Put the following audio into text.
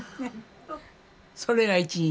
それが一日。